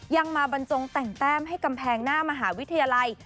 ยังมาบรรจงแต่งแต้มให้กำแพงหน้ามหาวิทยาลัย